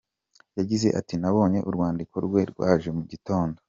Yagize ati "Nabonye urwandiko rwe rwaje mu gitondo .